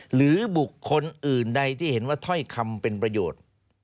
หรือบุคคลอื่นใดที่เห็นว่าถ้อยคำเป็นประโยชน์